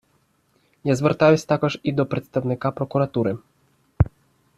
Я звертаюсь також і до представника прокуратури!